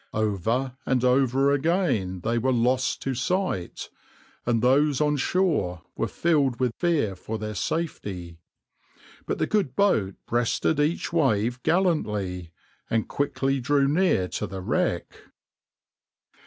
Over and over again they were lost to sight, and those on shore were filled with fear for their safety, but the good boat breasted each wave gallantly, and quickly drew near to the wreck.